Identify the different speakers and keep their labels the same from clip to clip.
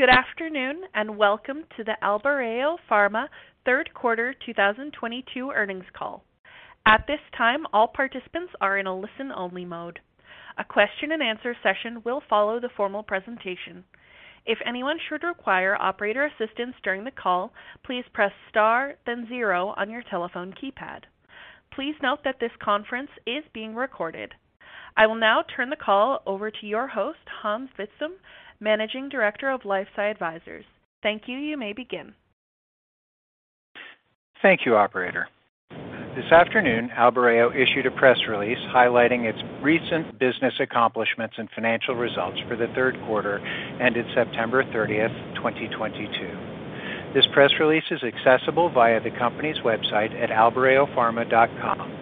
Speaker 1: Good afternoon. Welcome to the Albireo Pharma third quarter 2022 earnings call. At this time, all participants are in a listen-only mode. A question and answer session will follow the formal presentation. If anyone should require operator assistance during the call, please press star then zero on your telephone keypad. Please note that this conference is being recorded. I will now turn the call over to your host, Hans Vitzthum, Managing Director of LifeSci Advisors. Thank you. You may begin.
Speaker 2: Thank you, operator. This afternoon, Albireo issued a press release highlighting its recent business accomplishments and financial results for the third quarter ended September 30th, 2022. This press release is accessible via the company's website at albireopharma.com.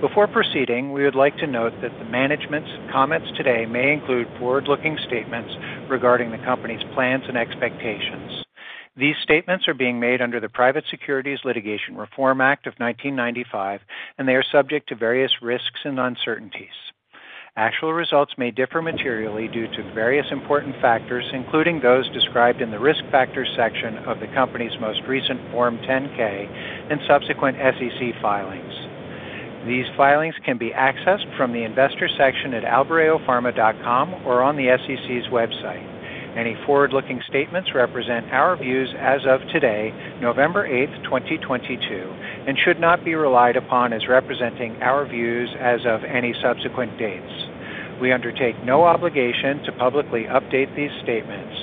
Speaker 2: Before proceeding, we would like to note that the management's comments today may include forward-looking statements regarding the company's plans and expectations. These statements are being made under the Private Securities Litigation Reform Act of 1995. They are subject to various risks and uncertainties. Actual results may differ materially due to various important factors, including those described in the risk factors section of the company's most recent Form 10-K and subsequent SEC filings. These filings can be accessed from the investor section at albireopharma.com or on the SEC's website. Any forward-looking statements represent our views as of today, November 8th, 2022. Should not be relied upon as representing our views as of any subsequent dates. We undertake no obligation to publicly update these statements.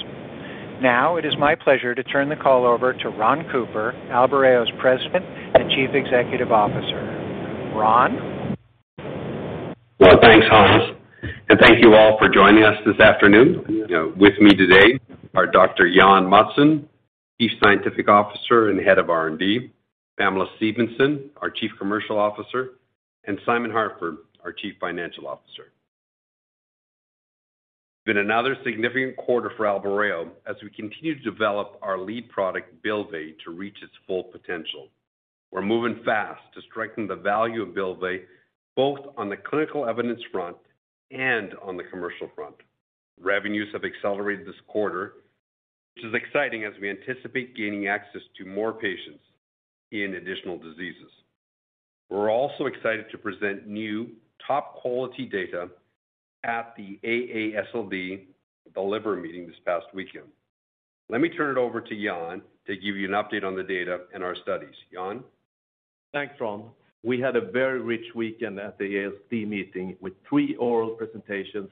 Speaker 2: Now, it is my pleasure to turn the call over to Ron Cooper, Albireo's President and Chief Executive Officer. Ron?
Speaker 3: Thanks, Hans. Thank you all for joining us this afternoon. With me today are Dr. Jan Mattsson, Chief Scientific Officer and Head of R&D, Pamela Stephenson, our Chief Commercial Officer, Simon Harford, our Chief Financial Officer. It's been another significant quarter for Albireo as we continue to develop our lead product, Bylvay, to reach its full potential. We're moving fast to strengthen the value of Bylvay, both on the clinical evidence front and on the commercial front. Revenues have accelerated this quarter, which is exciting as we anticipate gaining access to more patients in additional diseases. We're also excited to present new top-quality data at The AASLD Liver Meeting this past weekend. Let me turn it over to Jan to give you an update on the data and our studies. Jan?
Speaker 4: Thanks, Ron. We had a very rich weekend at the AASLD meeting with three oral presentations,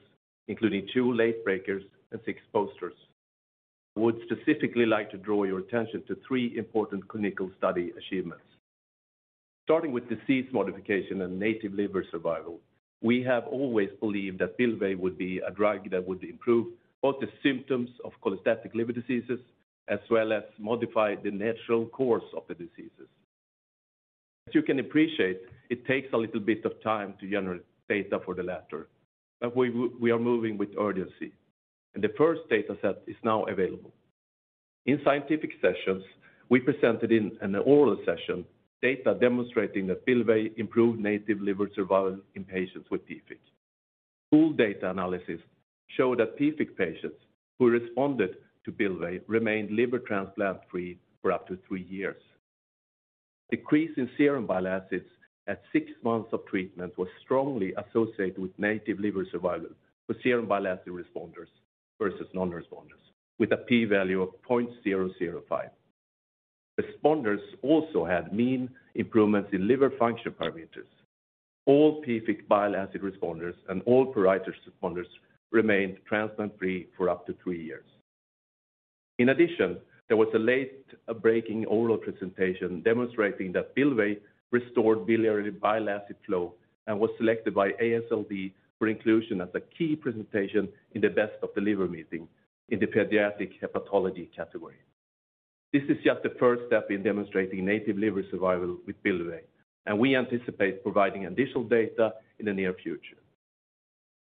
Speaker 4: including two late breakers and six posters. I would specifically like to draw your attention to three important clinical study achievements. Starting with disease modification and native liver survival, we have always believed that Bylvay would be a drug that would improve both the symptoms of cholestatic liver diseases, as well as modify the natural course of the diseases. As you can appreciate, it takes a little bit of time to generate data for the latter, but we are moving with urgency, and the first dataset is now available. In scientific sessions, we presented in an oral session data demonstrating that Bylvay improved native liver survival in patients with PFIC. Full data analysis showed that PFIC patients who responded to Bylvay remained liver transplant free for up to three years. Decrease in serum bile acids at six months of treatment was strongly associated with native liver survival for serum bile acid responders versus non-responders with a P value of 0.005. Responders also had mean improvements in liver function parameters. All PFIC bile acid responders and all pruritus responders remained transplant free for up to three years. In addition, there was a late-breaking oral presentation demonstrating that Bylvay restored biliary bile acid flow and was selected by AASLD for inclusion as a key presentation in the Best of The Liver Meeting in the pediatric hepatology category. This is just the first step in demonstrating native liver survival with Bylvay, and we anticipate providing additional data in the near future.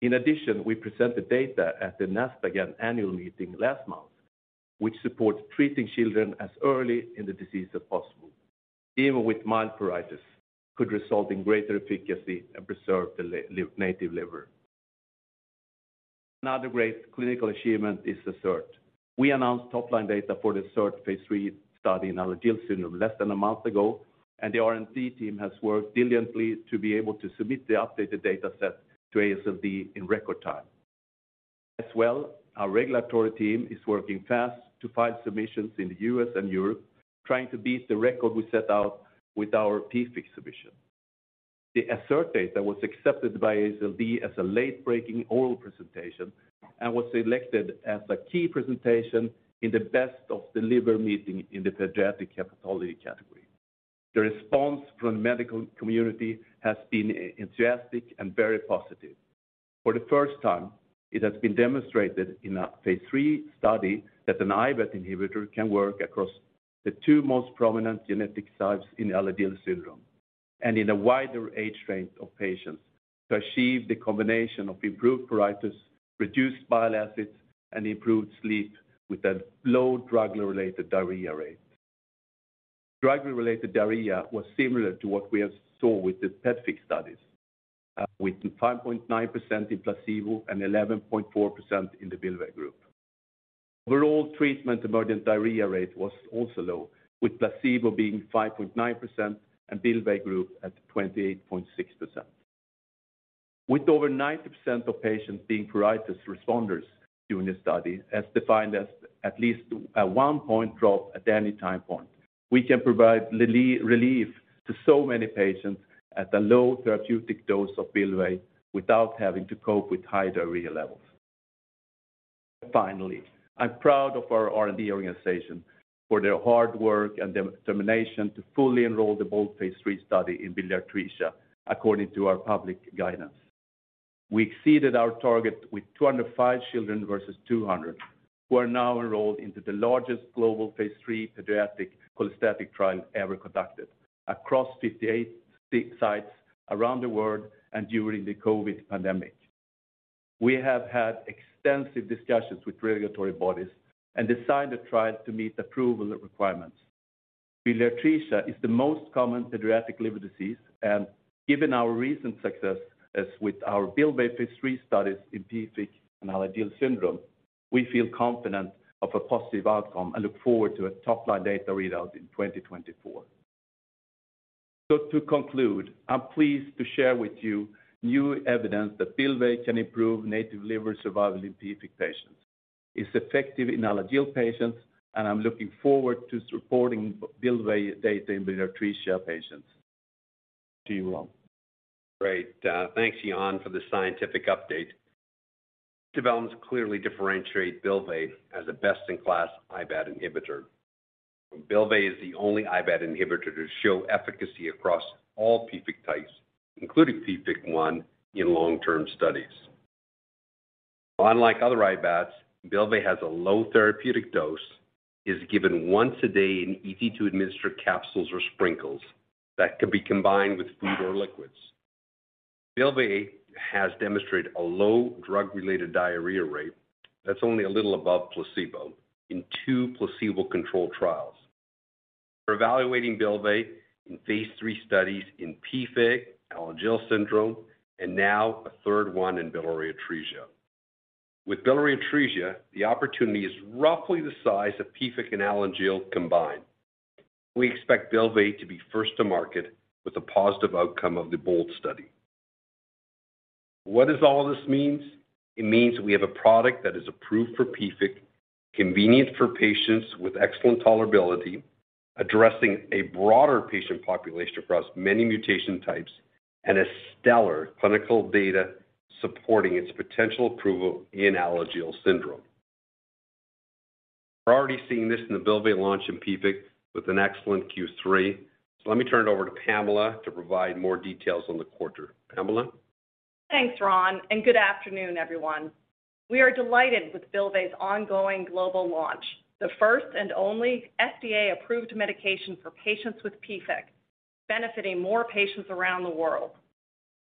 Speaker 4: In addition, we presented data at the NASPGHAN annual meeting last month, which supports treating children as early in the disease as possible. Even with mild pruritus could result in greater efficacy and preserve the native liver. Another great clinical achievement is ASSERT. We announced top-line data for the ASSERT phase III study in Alagille syndrome less than a month ago, and the R&D team has worked diligently to be able to submit the updated dataset to AASLD in record time. As well, our regulatory team is working fast to file submissions in the U.S. and Europe, trying to beat the record we set out with our PFIC submission. The ASSERT data was accepted by AASLD as a late-breaking oral presentation and was selected as a key presentation in the Best of The Liver Meeting in the pediatric hepatology category. The response from the medical community has been enthusiastic and very positive. For the first time, it has been demonstrated in a phase III study that an IBAT inhibitor can work across the two most prominent genetic types in Alagille syndrome and in a wider age range of patients to achieve the combination of improved pruritus, reduced bile acids, and improved sleep with a low drug-related diarrhea rate. Drug-related diarrhea was similar to what we have saw with the PFIC studies, with 5.9% in placebo and 11.4% in the Bylvay group. Overall treatment emergent diarrhea rate was also low, with placebo being 5.9% and Bylvay group at 28.6%. With over 90% of patients being pruritus responders during this study, as defined as at least a one-point drop at any time point, we can provide relief to so many patients at a low therapeutic dose of Bylvay without having to cope with high diarrhea levels. I'm proud of our R&D organization for their hard work and determination to fully enroll the BOLD phase III study in biliary atresia according to our public guidance. We exceeded our target with 205 children versus 200, who are now enrolled into the largest global phase III pediatric cholestatic trial ever conducted across 58 sites around the world and during the COVID pandemic. We have had extensive discussions with regulatory bodies and designed the trial to meet approval requirements. Biliary atresia is the most common pediatric liver disease, and given our recent success, as with our Bylvay phase III studies in PFIC and Alagille syndrome, we feel confident of a positive outcome and look forward to a top-line data readout in 2024. To conclude, I'm pleased to share with you new evidence that Bylvay can improve native liver survival in PFIC patients. It's effective in Alagille patients. I'm looking forward to supporting Bylvay data in biliary atresia patients. To you, Ron.
Speaker 3: Great. Thanks, Jan, for the scientific update. Developments clearly differentiate Bylvay as a best-in-class IBAT inhibitor. Bylvay is the only IBAT inhibitor to show efficacy across all PFIC types, including PFIC 1 in long-term studies. Unlike other IBATs, Bylvay has a low therapeutic dose, is given one a day in easy-to-administer capsules or sprinkles that could be combined with food or liquids. Bylvay has demonstrated a low drug-related diarrhea rate that's only a little above placebo in two placebo-controlled trials. We're evaluating Bylvay in phase III studies in PFIC, Alagille syndrome, and now a third one in biliary atresia. With biliary atresia, the opportunity is roughly the size of PFIC and Alagille combined. We expect Bylvay to be first to market with a positive outcome of the BOLD study. What does all this mean? It means we have a product that is approved for PFIC, convenient for patients with excellent tolerability, addressing a broader patient population across many mutation types, a stellar clinical data supporting its potential approval in Alagille syndrome. We're already seeing this in the Bylvay launch in PFIC with an excellent Q3. Let me turn it over to Pamela to provide more details on the quarter. Pamela?
Speaker 5: Thanks, Ron. We are delighted with Bylvay's ongoing global launch, the first and only FDA-approved medication for patients with PFIC, benefiting more patients around the world.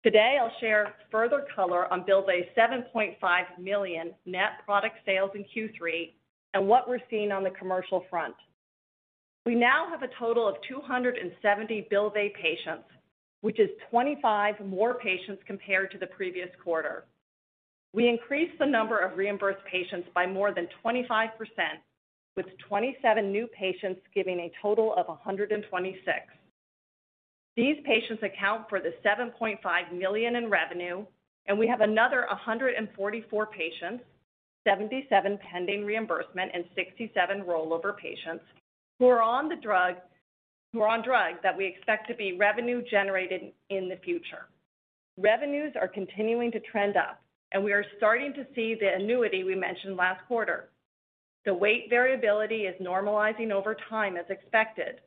Speaker 5: Today, I'll share further color on Bylvay's $7.5 million net product sales in Q3 and what we're seeing on the commercial front. We now have a total of 270 Bylvay patients, which is 25 more patients compared to the previous quarter. We increased the number of reimbursed patients by more than 25%, with 27 new patients giving a total of 126. These patients account for the $7.5 million in revenue, and we have another 144 patients, 77 pending reimbursement and 67 rollover patients, who are on drugs that we expect to be revenue-generating in the future. Revenues are continuing to trend up, we are starting to see the annuity we mentioned last quarter. The weight variability is normalizing over time as expected.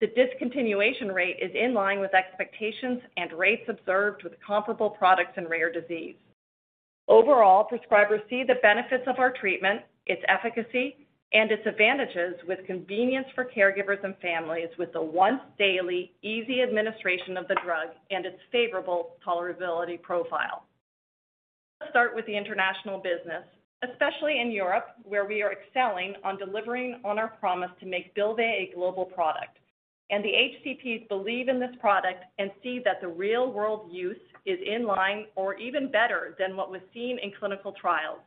Speaker 5: The discontinuation rate is in line with expectations and rates observed with comparable products in rare disease. Overall, prescribers see the benefits of our treatment, its efficacy, and its advantages with convenience for caregivers and families with the once-daily easy administration of the drug and its favorable tolerability profile. Let's start with the international business, especially in Europe, where we are excelling on delivering on our promise to make Bylvay a global product. The HCPs believe in this product and see that the real-world use is in line or even better than what was seen in clinical trials.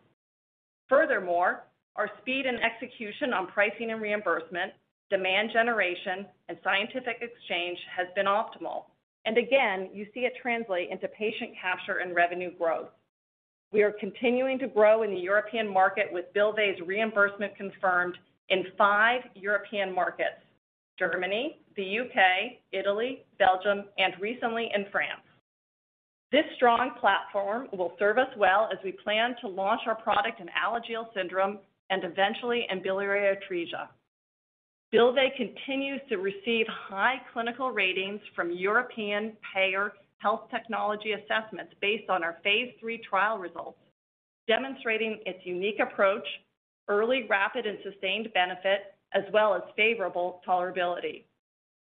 Speaker 5: Furthermore, our speed and execution on pricing and reimbursement, demand generation, and scientific exchange has been optimal. Again, you see it translate into patient capture and revenue growth. We are continuing to grow in the European market with Bylvay's reimbursement confirmed in five European markets, Germany, the U.K., Italy, Belgium, and recently in France. This strong platform will serve us well as we plan to launch our product in Alagille syndrome and eventually in biliary atresia. Bylvay continues to receive high clinical ratings from European payer health technology assessments based on our phase III trial results, demonstrating its unique approach, early, rapid, and sustained benefit, as well as favorable tolerability.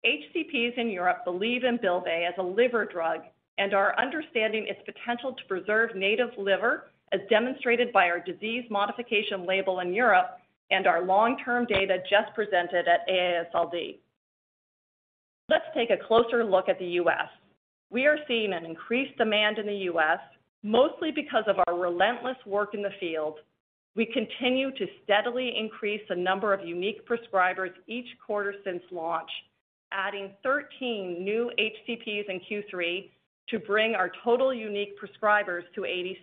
Speaker 5: HCPs in Europe believe in Bylvay as a liver drug and are understanding its potential to preserve native liver, as demonstrated by our disease modification label in Europe and our long-term data just presented at AASLD. Let's take a closer look at the U.S. We are seeing an increased demand in the U.S., mostly because of our relentless work in the field. We continue to steadily increase the number of unique prescribers each quarter since launch, adding 13 new HCPs in Q3 to bring our total unique prescribers to 86.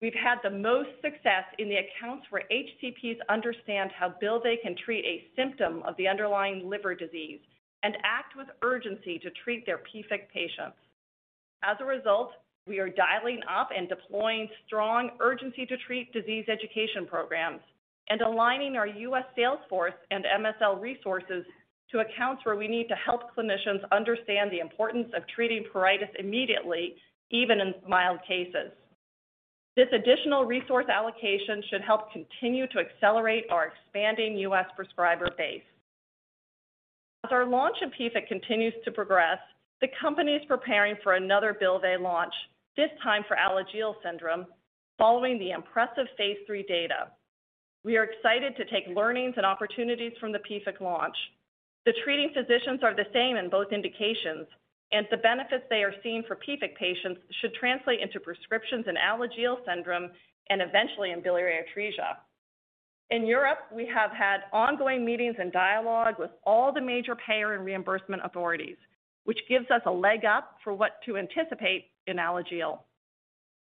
Speaker 5: We've had the most success in the accounts where HCPs understand how Bylvay can treat a symptom of the underlying liver disease and act with urgency to treat their PFIC patients. As a result, we are dialing up and deploying strong urgency to treat disease education programs and aligning our U.S. sales force and MSL resources to accounts where we need to help clinicians understand the importance of treating pruritus immediately, even in mild cases. This additional resource allocation should help continue to accelerate our expanding U.S. prescriber base. As our launch in PFIC continues to progress, the company is preparing for another Bylvay launch, this time for Alagille syndrome, following the impressive phase III data. We are excited to take learnings and opportunities from the PFIC launch. The treating physicians are the same in both indications, and the benefits they are seeing for PFIC patients should translate into prescriptions in Alagille syndrome and eventually in biliary atresia. In Europe, we have had ongoing meetings and dialogue with all the major payer and reimbursement authorities, which gives us a leg up for what to anticipate in Alagille.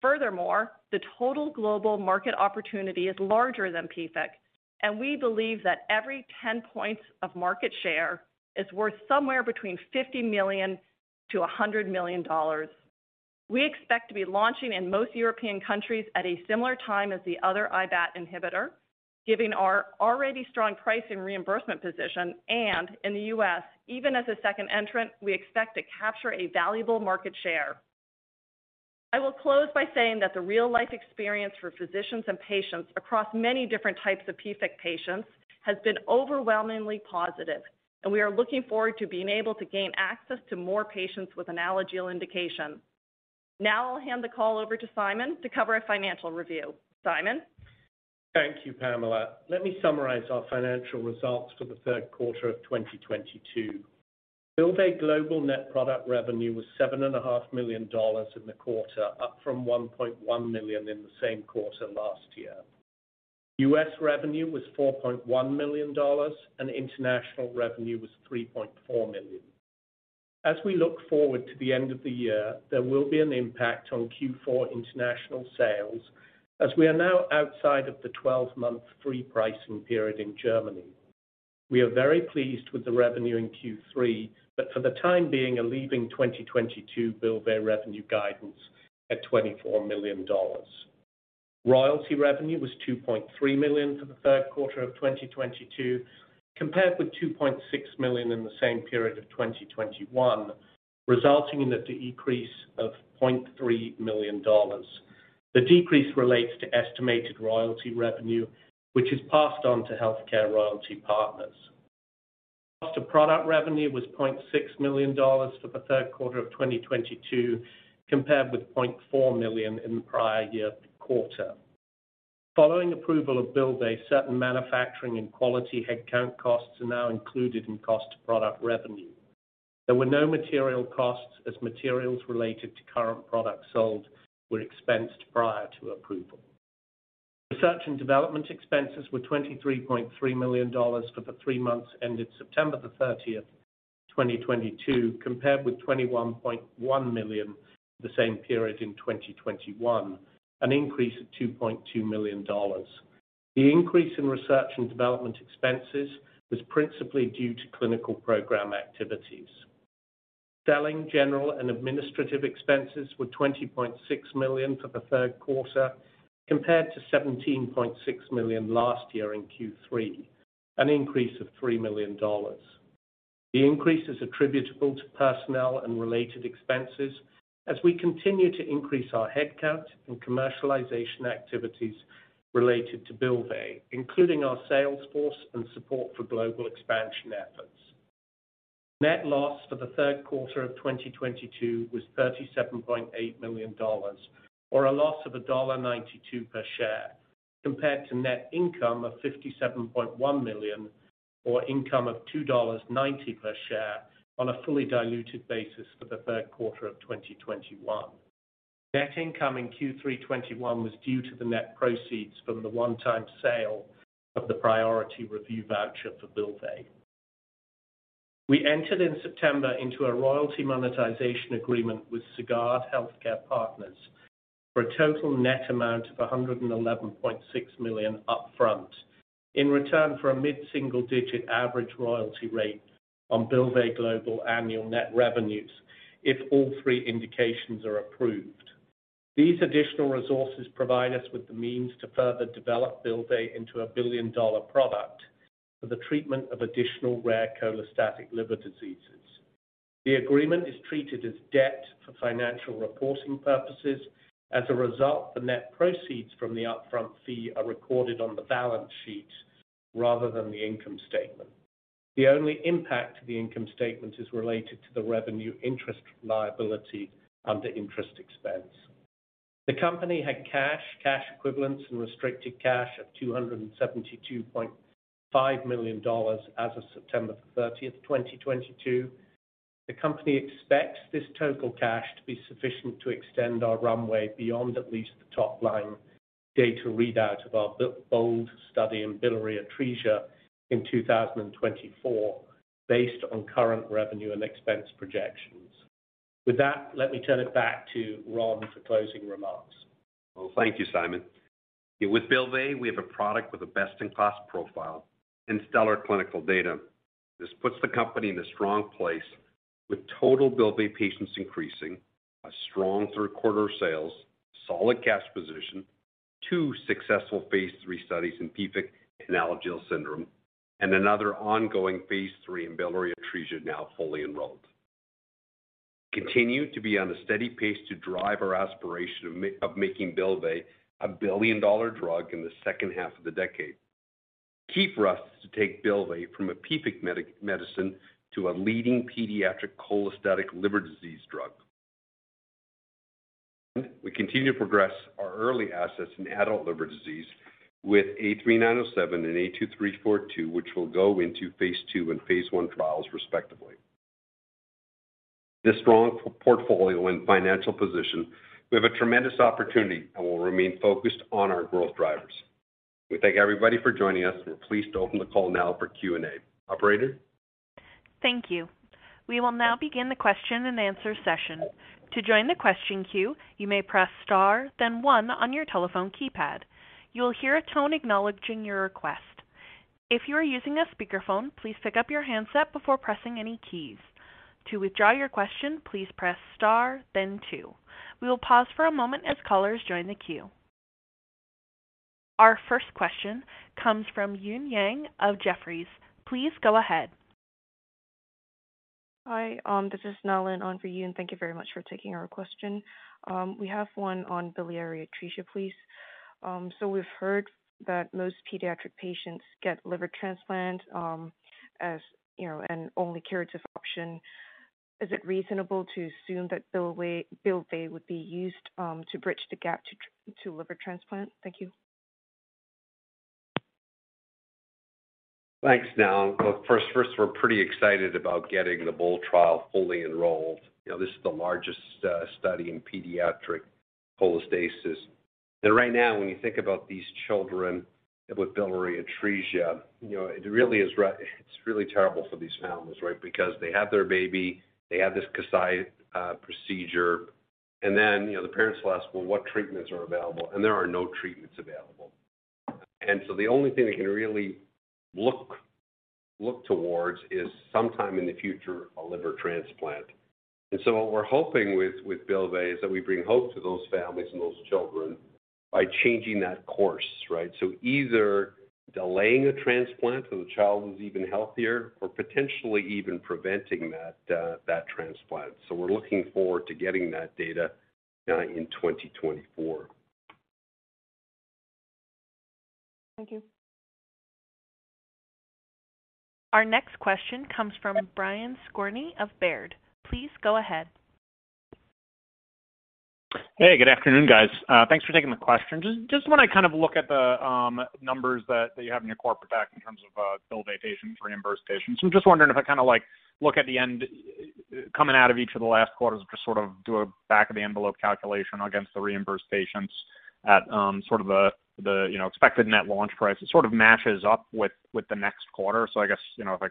Speaker 5: Furthermore, the total global market opportunity is larger than PFIC, and we believe that every 10 points of market share is worth somewhere between $50 million to $100 million. We expect to be launching in most European countries at a similar time as the other IBAT inhibitor, given our already strong price and reimbursement position, and in the U.S., even as a second entrant, we expect to capture a valuable market share. I will close by saying that the real-life experience for physicians and patients across many different types of PFIC patients has been overwhelmingly positive, and we are looking forward to being able to gain access to more patients with an Alagille indication. Now I'll hand the call over to Simon to cover a financial review. Simon?
Speaker 6: Thank you, Pamela. Let me summarize our financial results for the third quarter of 2022. Bylvay global net product revenue was $7.5 million in the quarter, up from $1.1 million in the same quarter last year. U.S. revenue was $4.1 million, and international revenue was $3.4 million. As we look forward to the end of the year, there will be an impact on Q4 international sales as we are now outside of the 12-month free pricing period in Germany. We are very pleased with the revenue in Q3, but for the time being are leaving 2022 Bylvay revenue guidance at $24 million. Royalty revenue was $2.3 million for the third quarter of 2022, compared with $2.6 million in the same period of 2021, resulting in a decrease of $0.3 million. The decrease relates to estimated royalty revenue, which is passed on to HealthCare Royalty Partners. Cost of product revenue was $0.6 million for the third quarter of 2022, compared with $0.4 million in the prior year quarter. Following approval of Bylvay, certain manufacturing and quality headcount costs are now included in cost of product revenue. There were no material costs as materials related to current products sold were expensed prior to approval. Research and development expenses were $23.3 million for the three months ended September 30th, 2022, compared with $21.1 million the same period in 2021, an increase of $2.2 million. Selling, general, and administrative expenses were $20.6 million for the third quarter, compared to $17.6 million last year in Q3, an increase of $3 million. The increase is attributable to personnel and related expenses as we continue to increase our headcount and commercialization activities related to Bylvay, including our sales force and support for global expansion efforts. Net loss for the third quarter of 2022 was $37.8 million, or a loss of $1.92 per share, compared to net income of $57.1 million or income of $2.90 per share on a fully diluted basis for the third quarter of 2021. Net income in Q3 2021 was due to the net proceeds from the one-time sale of the priority review voucher for Bylvay. We entered in September into a royalty monetization agreement with Sagard Healthcare Royalty Partners for a total net amount of $111.6 million upfront in return for a mid-single-digit average royalty rate on Bylvay global annual net revenues if all three indications are approved. These additional resources provide us with the means to further develop Bylvay into a billion-dollar product for the treatment of additional rare cholestatic liver diseases. The agreement is treated as debt for financial reporting purposes. As a result, the net proceeds from the upfront fee are recorded on the balance sheet rather than the income statement. The only impact to the income statement is related to the revenue interest liability under interest expense. The company had cash equivalents, and restricted cash of $272.5 million as of September 30, 2022. The company expects this total cash to be sufficient to extend our runway beyond at least the top-line data readout of our BOLD study in biliary atresia in 2024, based on current revenue and expense projections. With that, let me turn it back to Ron for closing remarks.
Speaker 3: Well, thank you, Simon. With Bylvay, we have a product with a best-in-class profile and stellar clinical data. This puts the company in a strong place with total Bylvay patients increasing, a strong third quarter of sales, solid cash position, two successful phase III studies in PFIC and Alagille syndrome, and another ongoing phase III in biliary atresia now fully enrolled. We continue to be on a steady pace to drive our aspiration of making Bylvay a billion-dollar drug in the second half of the decade. Key for us is to take Bylvay from a PFIC medicine to a leading pediatric cholestatic liver disease drug. We continue to progress our early assets in adult liver disease with A3907 and A2342, which will go into phase II and phase I trials respectively. With a strong portfolio and financial position, we have a tremendous opportunity and will remain focused on our growth drivers. We thank everybody for joining us. We are pleased to open the call now for Q&A. Operator?
Speaker 1: Thank you. We will now begin the question and answer session. To join the question queue, you may press star then one on your telephone keypad. You will hear a tone acknowledging your request. If you are using a speakerphone, please pick up your handset before pressing any keys. To withdraw your question, please press star then two. We will pause for a moment as callers join the queue. Our first question comes from Yun Zhong of Jefferies. Please go ahead.
Speaker 7: Hi, this is Nelon on for Yun. Thank you very much for taking our question. We have one on biliary atresia, please. We've heard that most pediatric patients get liver transplant as an only curative option. Is it reasonable to assume that Bylvay would be used to bridge the gap to liver transplant? Thank you.
Speaker 3: Thanks, Nelon. Well, first, we're pretty excited about getting the BOLD trial fully enrolled. This is the largest study in pediatric cholestasis. Right now, when you think about these children with biliary atresia, it's really terrible for these families, right? Because they have their baby, they have this Kasai procedure, then the parents will ask, "Well, what treatments are available?" There are no treatments available. The only thing they can really look towards is sometime in the future, a liver transplant. What we're hoping with Bylvay is that we bring hope to those families and those children by changing that course, right? Either delaying a transplant so the child is even healthier or potentially even preventing that transplant. We're looking forward to getting that data in 2024.
Speaker 7: Thank you.
Speaker 1: Our next question comes from Brian Skorney of Baird. Please go ahead.
Speaker 8: Hey, good afternoon, guys. Thanks for taking the question. Just when I look at the numbers that you have in your corporate deck in terms of Bylvay patients, reimbursed patients. I'm just wondering if I look at the end, coming out of each of the last quarters, just sort of do a back-of-the-envelope calculation against the reimbursed patients at the expected net launch price. It sort of matches up with the next quarter. I guess, if I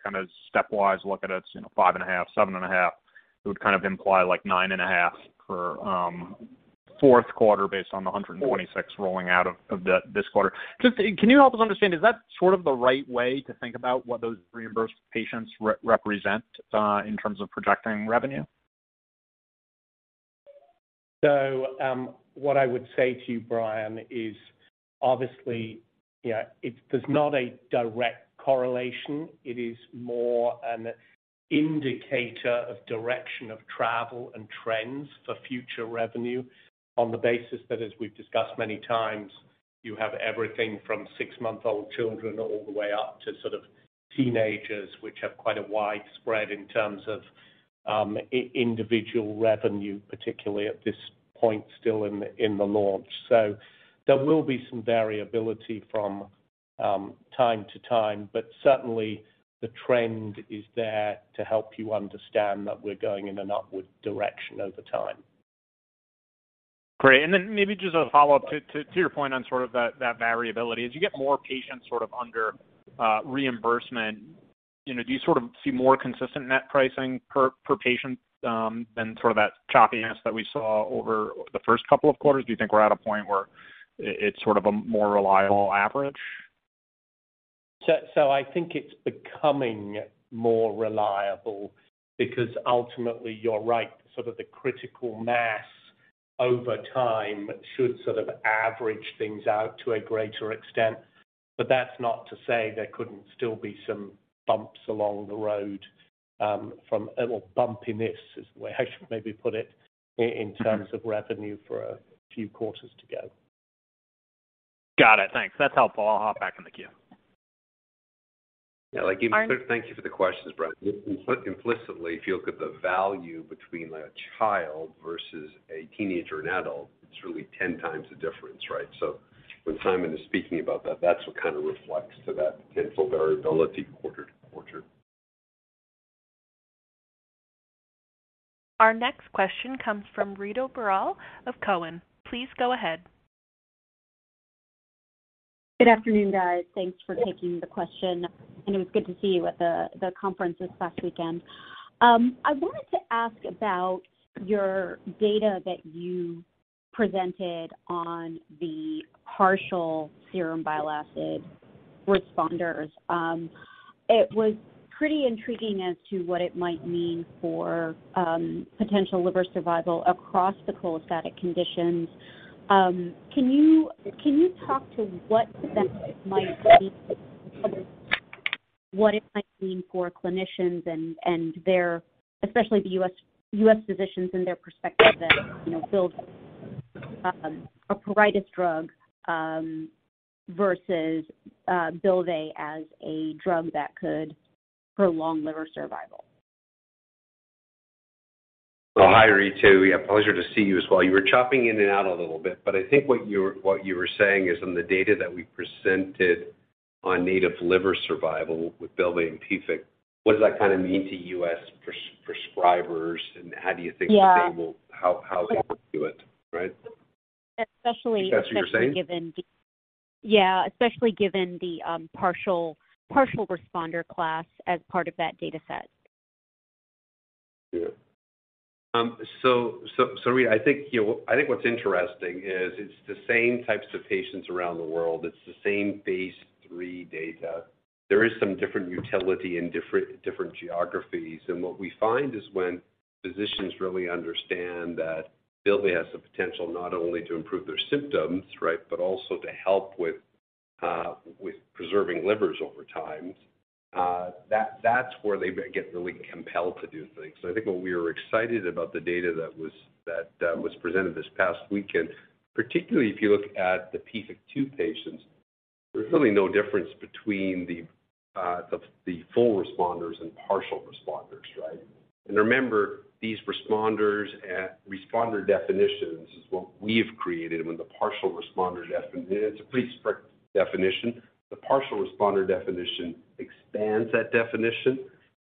Speaker 8: stepwise look at it, 5.5, 7.5, it would imply like 9.5 for fourth quarter based on the 126 rolling out of this quarter. Can you help us understand, is that sort of the right way to think about what those reimbursed patients represent in terms of projecting revenue?
Speaker 6: What I would say to you, Brian, is obviously there's not a direct correlation. It is more an indicator of direction of travel and trends for future revenue on the basis that, as we've discussed many times, you have everything from six-month-old children all the way up to teenagers, which have quite a wide spread in terms of individual revenue, particularly at this point still in the launch. There will be some variability from time to time, but certainly the trend is there to help you understand that we're going in an upward direction over time.
Speaker 8: Great. Maybe just a follow-up to your point on that variability. As you get more patients under reimbursement, do you see more consistent net pricing per patient than that choppiness that we saw over the first couple of quarters? Do you think we're at a point where it's a more reliable average?
Speaker 6: I think it's becoming more reliable because ultimately you're right, sort of the critical mass over time, should sort of average things out to a greater extent. That's not to say there couldn't still be some bumps along the road from, or bumpiness is the way I should maybe put it, in terms of revenue for a few quarters to go.
Speaker 8: Got it. Thanks. That's helpful. I'll hop back in the queue.
Speaker 3: Thank you for the questions, Brian. Implicitly, if you look at the value between a child versus a teenager and adult, it's really 10 times the difference, right? When Simon is speaking about that's what kind of reflects to that potential variability quarter to quarter.
Speaker 1: Our next question comes from Ritu Baral of Cowen. Please go ahead.
Speaker 9: Good afternoon, guys. Thanks for taking the question, and it was good to see you at the conference this past weekend. I wanted to ask about your data that you presented on the partial serum bile acid responders. It was pretty intriguing as to what it might mean for potential liver survival across the cholestatic conditions. Can you talk to what that might mean for clinicians and their, especially the U.S. physicians and their perspective that Bylvay, a pruritus drug, versus Bylvay as a drug that could prolong liver survival?
Speaker 3: Hi, Ritu. Yeah, pleasure to see you as well. You were chopping in and out a little bit, but I think what you were saying is on the data that we presented on native liver survival with Bylvay in PFIC, what does that kind of mean to U.S. prescribers, and how do you think that they will-
Speaker 9: Yeah
Speaker 3: how they will view it, right?
Speaker 9: Especially given-
Speaker 3: Is that what you're saying?
Speaker 9: Yeah, especially given the partial responder class as part of that data set.
Speaker 3: Yeah. Ritu, I think what's interesting is it's the same types of patients around the world. It's the same Phase III data. There is some different utility in different geographies, and what we find is when physicians really understand that Bylvay has the potential not only to improve their symptoms, but also to help with preserving livers over time. That's where they get really compelled to do things. I think what we were excited about the data that was presented this past weekend, particularly if you look at the PFIC-2 patients, there's really no difference between the full responders and partial responders, right? Remember, these responder definitions is what we've created, and when the partial responder definition, it's a pretty strict definition. The partial responder definition expands that definition.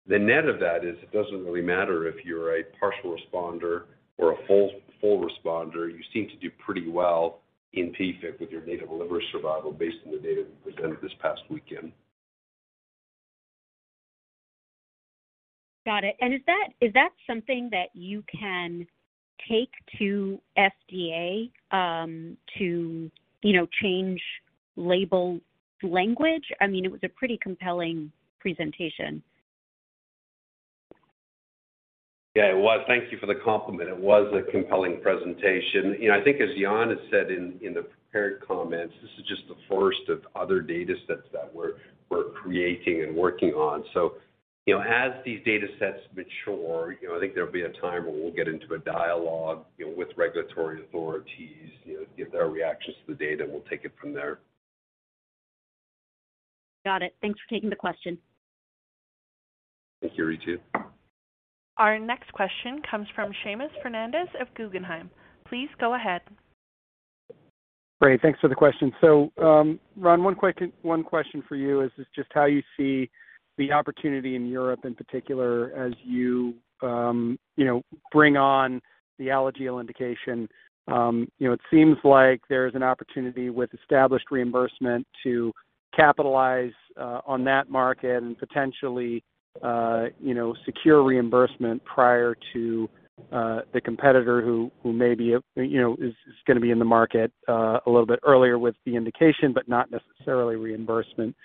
Speaker 3: The net of that is it doesn't really matter if you're a partial responder or a full responder. You seem to do pretty well in PFIC with your native liver survival based on the data presented this past weekend.
Speaker 9: Got it. Is that something that you can take to FDA to change label language? It was a pretty compelling presentation.
Speaker 3: Yeah, it was. Thank you for the compliment. It was a compelling presentation. I think as Jan has said in the prepared comments, this is just the first of other data sets that we're creating and working on. As these data sets mature, I think there'll be a time where we'll get into a dialogue with regulatory authorities, get their reactions to the data, and we'll take it from there.
Speaker 9: Got it. Thanks for taking the question.
Speaker 3: Thank you, Ritu.
Speaker 1: Our next question comes from Seamus Fernandez of Guggenheim. Please go ahead.
Speaker 10: Great. Thanks for the question. Ron, one question for you is just how you see the opportunity in Europe in particular as you bring on the Alagille indication. It seems like there's an opportunity with established reimbursement to capitalize on that market and potentially secure reimbursement prior to the competitor who is going to be in the market a little bit earlier with the indication but not necessarily reimbursement.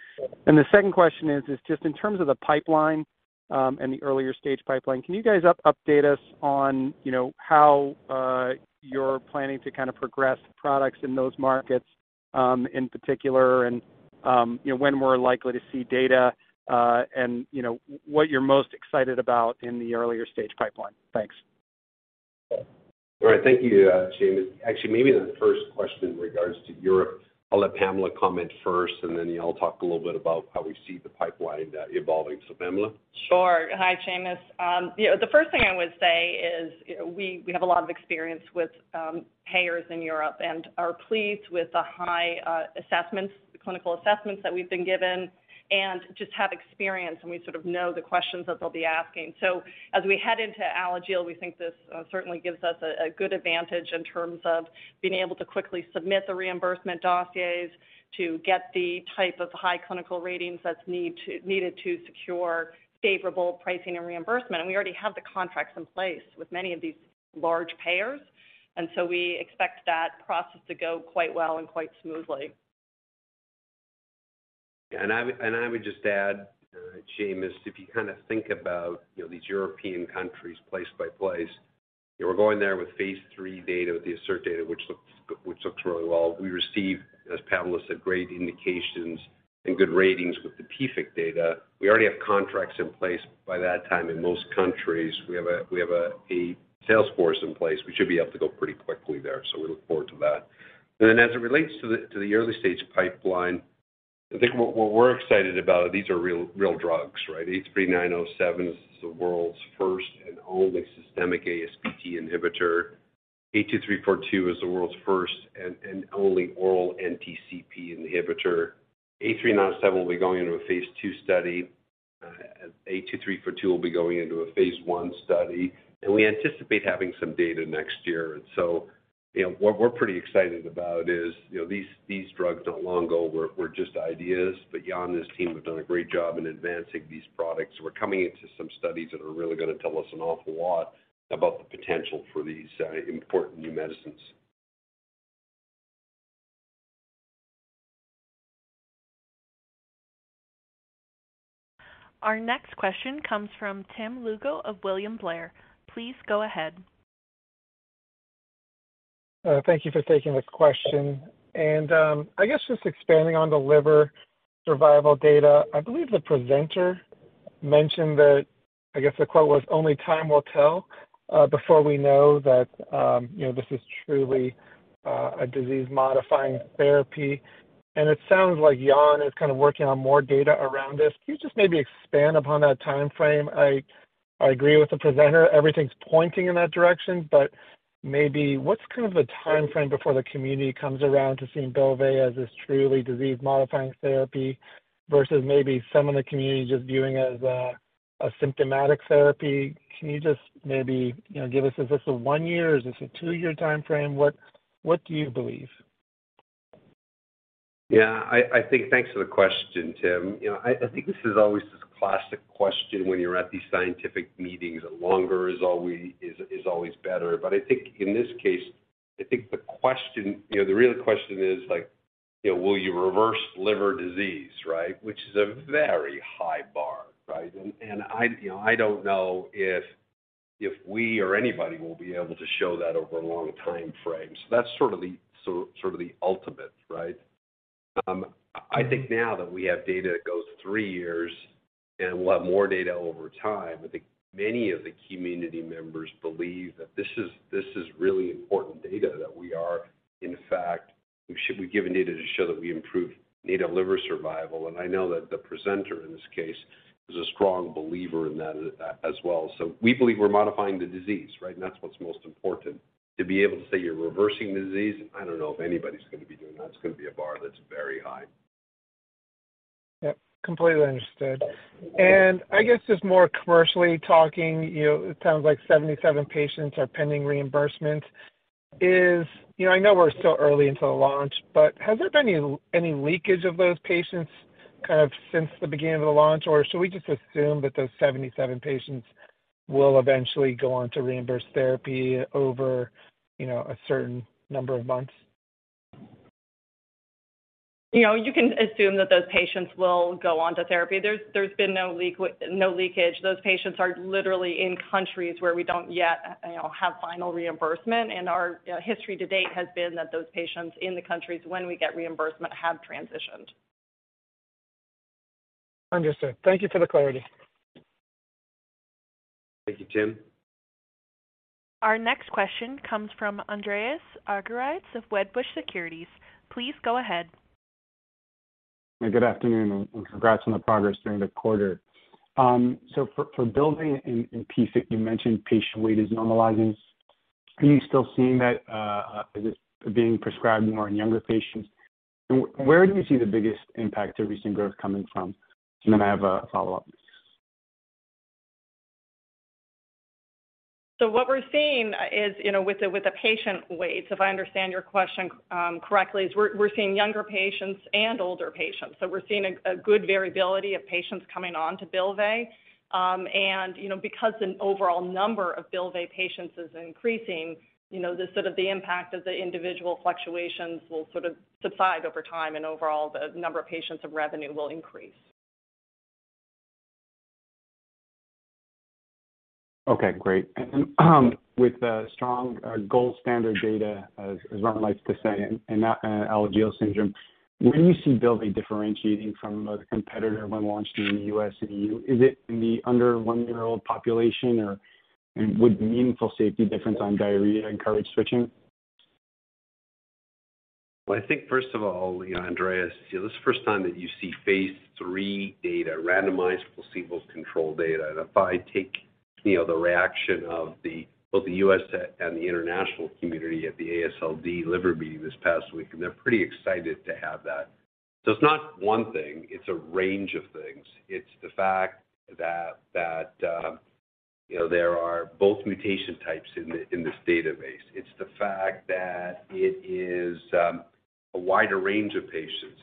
Speaker 10: The second question is just in terms of the pipeline, and the earlier stage pipeline, can you guys update us on how you're planning to kind of progress products in those markets, in particular, and when we're likely to see data, and what you're most excited about in the earlier stage pipeline? Thanks.
Speaker 3: All right. Thank you, Seamus. Actually, maybe the first question in regards to Europe, I'll let Pamela comment first, and then I'll talk a little bit about how we see the pipeline evolving. Pamela?
Speaker 5: Sure. Hi, Seamus. The first thing I would say is we have a lot of experience with payers in Europe and are pleased with the high assessments, the clinical assessments that we've been given and just have experience, and we sort of know the questions that they'll be asking. As we head into Alagille, we think this certainly gives us a good advantage in terms of being able to quickly submit the reimbursement dossiers to get the type of high clinical ratings that's needed to secure favorable pricing and reimbursement. We already have the contracts in place with many of these large payers, and so we expect that process to go quite well and quite smoothly.
Speaker 3: I would just add, Seamus, if you think about these European countries place by place, we're going there with phase III data, with the ASSERT data, which looks really well. We received, as Pamela said, great indications and good ratings with the PFIC data. We already have contracts in place by that time in most countries. We have a sales force in place. We should be able to go pretty quickly there, so we look forward to that. As it relates to the early-stage pipeline, I think what we're excited about, these are real drugs, right? A3907 is the world's first and only systemic ASBT inhibitor. A2342 is the world's first and only oral NTCP inhibitor. A3907 will be going into a phase II study. A2342 will be going into a phase I study. We anticipate having some data next year. What we're pretty excited about is these drugs not long ago were just ideas, but Jan and his team have done a great job in advancing these products. We're coming into some studies that are really going to tell us an awful lot about the potential for these important new medicines.
Speaker 1: Our next question comes from Tim Lugo of William Blair. Please go ahead.
Speaker 11: Thank you for taking this question. I guess just expanding on the liver survival data. I believe the presenter mentioned that, I guess the quote was, "Only time will tell before we know that this is truly a disease-modifying therapy." It sounds like Jan is working on more data around this. Can you just maybe expand upon that timeframe? I agree with the presenter. Everything's pointing in that direction, but maybe what's the timeframe before the community comes around to seeing Bylvay as this truly disease-modifying therapy versus maybe some of the community just viewing it as a symptomatic therapy? Can you just maybe give us, is this a one year, is this a two-year timeframe? What do you believe?
Speaker 3: Yeah. Thanks for the question, Tim. I think this is always just a classic question when you're at these scientific meetings, that longer is always better. I think in this case, the real question is will you reverse liver disease, right? Which is a very high bar, right? I don't know if we or anybody will be able to show that over a long timeframe. That's sort of the ultimate, right? I think now that we have data that goes 3 years and we'll have more data over time, I think many of the community members believe that this is really important data, that we are, in fact, we've given data to show that we improved native liver survival and I know that the presenter in this case is a strong believer in that as well. We believe we're modifying the disease, right? That's what's most important. To be able to say you're reversing the disease, I don't know if anybody's going to be doing that. It's going to be a bar that's very high.
Speaker 11: Yep, completely understood. I guess just more commercially talking, it sounds like 77 patients are pending reimbursement. I know we're still early into the launch, has there been any leakage of those patients since the beginning of the launch? Should we just assume that those 77 patients will eventually go on to reimbursed therapy over a certain number of months?
Speaker 5: You can assume that those patients will go on to therapy. There's been no leakage. Those patients are literally in countries where we don't yet have final reimbursement, our history to date has been that those patients in the countries when we get reimbursement have transitioned.
Speaker 11: Understood. Thank you for the clarity.
Speaker 3: Thank you, Tim.
Speaker 1: Our next question comes from Andreas Argyrides of Wedbush Securities. Please go ahead.
Speaker 12: Good afternoon and congrats on the progress during the quarter. For Bylvay and PFIC, you mentioned patient weight is normalizing. Are you still seeing that? Is it being prescribed more in younger patients? Where do you see the biggest impact therapy growth coming from? Then I have a follow-up.
Speaker 5: What we're seeing is with the patient weights, if I understand your question correctly, is we're seeing younger patients and older patients. We're seeing a good variability of patients coming on to Bylvay. Because an overall number of Bylvay patients is increasing, the impact of the individual fluctuations will sort of subside over time and overall the number of patients of revenue will increase.
Speaker 12: Okay, great. With the strong gold standard data, as Ron likes to say, in Alagille syndrome, where do you see Bylvay differentiating from a competitor when launched in the U.S. and EU? Is it in the under one-year-old population? Would meaningful safety difference on diarrhea encourage switching?
Speaker 3: Well, I think first of all, Andreas, this is the first time that you see phase III data, randomized placebo control data. If I take the reaction of both the U.S. and the international community at the AASLD The Liver Meeting this past week, they're pretty excited to have that. It's not one thing, it's a range of things. It's the fact that there are both mutation types in this database. It's the fact that it is a wider range of patients.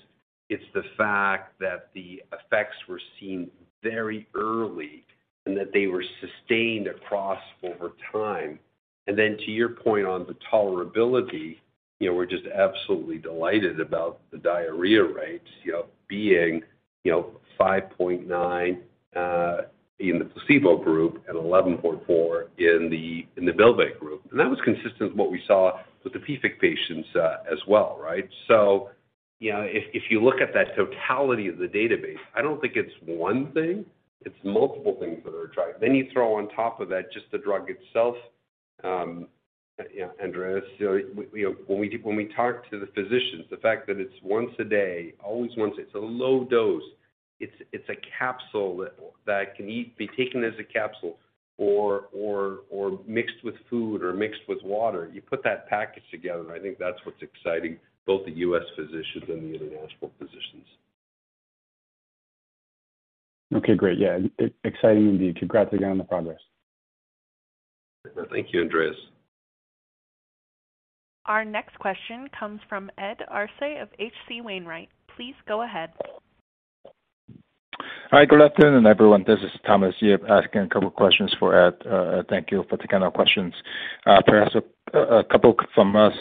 Speaker 3: It's the fact that the effects were seen very early and that they were sustained across over time. Then to your point on the tolerability, we're just absolutely delighted about the diarrhea rates being 5.9 in the placebo group and 11.4 in the Bylvay group. That was consistent with what we saw with the PFIC patients as well. If you look at that totality of the database, I don't think it's one thing, it's multiple things that are attractive. You throw on top of that just the drug itself. Andreas, when we talk to the physicians, the fact that it's once a day, always once a day, it's a low dose, it's a capsule that can be taken as a capsule or mixed with food or mixed with water. You put that package together, I think that's what's exciting both the U.S. physicians and the international physicians.
Speaker 12: Okay, great. Yeah. Exciting indeed. Congrats again on the progress.
Speaker 3: Thank you, Andreas.
Speaker 1: Our next question comes from Ed Arce of H.C. Wainwright. Please go ahead.
Speaker 13: Hi, good afternoon, everyone. This is Thomas Yip asking a couple questions for Ed. Thank you for taking our questions. Perhaps a couple from us.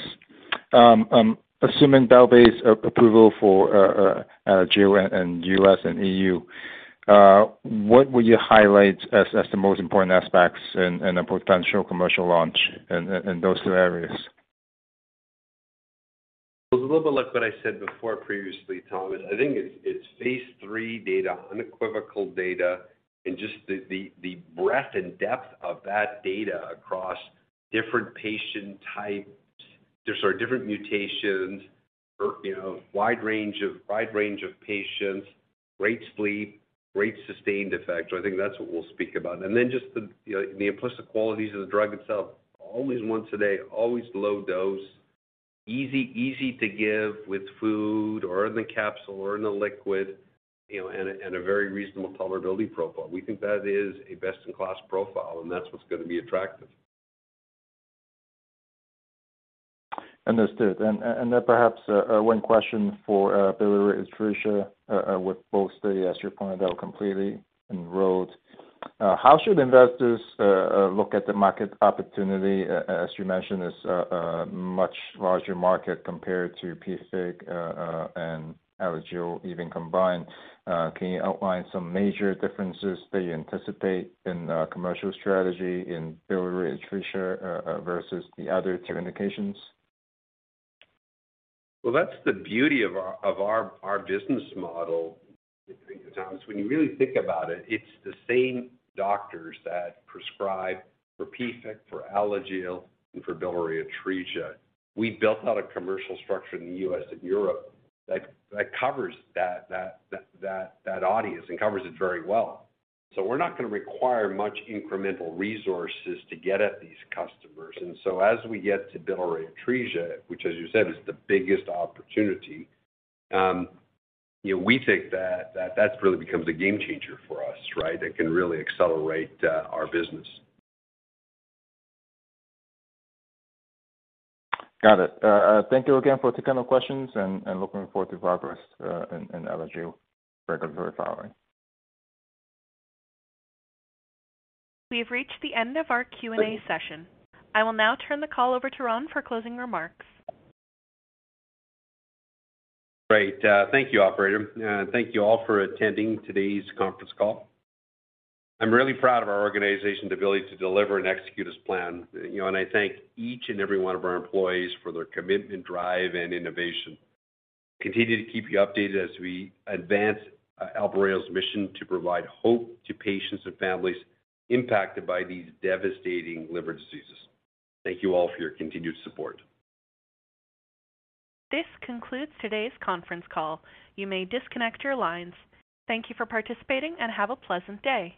Speaker 13: Assuming Bylvay's approval for Alagille in U.S. and EU, what would you highlight as the most important aspects in a potential commercial launch in those two areas?
Speaker 3: It was a little bit like what I said before previously, Thomas. I think it's phase III data, unequivocal data, and just the breadth and depth of that data across different patient types. There are different mutations, wide range of patients, great sleep, great sustained effect. I think that's what we'll speak about. Just the implicit qualities of the drug itself. Always once a day, always low dose, easy to give with food or in the capsule or in a liquid, and a very reasonable tolerability profile. We think that is a best-in-class profile, and that's what's going to be attractive.
Speaker 13: Understood. Perhaps one question for biliary atresia with both studies, as you pointed out completely, enrolled. How should investors look at the market opportunity? As you mentioned, it's a much larger market compared to PFIC and Alagille even combined. Can you outline some major differences that you anticipate in commercial strategy in biliary atresia versus the other two indications?
Speaker 3: Well, that's the beauty of our business model, Thomas. When you really think about it's the same doctors that prescribe for PFIC, for Alagille, and for biliary atresia. We built out a commercial structure in the U.S. and Europe that covers that audience and covers it very well. We're not going to require much incremental resources to get at these customers. As we get to biliary atresia, which as you said is the biggest opportunity, we think that really becomes a game changer for us. It can really accelerate our business.
Speaker 13: Got it. Thank you again for taking our questions, and looking forward to progress in Alagille regulatory filing.
Speaker 1: We have reached the end of our Q&A session. I will now turn the call over to Ron for closing remarks.
Speaker 3: Great. Thank you, operator. Thank you all for attending today's conference call. I'm really proud of our organization's ability to deliver and execute as planned, and I thank each and every one of our employees for their commitment, drive, and innovation. Continue to keep you updated as we advance Albireo's mission to provide hope to patients and families impacted by these devastating liver diseases. Thank you all for your continued support.
Speaker 1: This concludes today's conference call. You may disconnect your lines. Thank you for participating, and have a pleasant day.